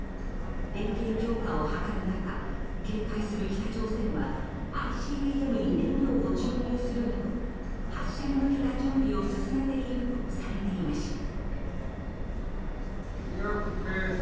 連携強化を図る中警戒する北朝鮮はＩＣＢＭに燃料を注入するなど発射に向けた準備を進めているとされていました。